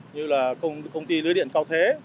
như là công ty lưới điện cao thế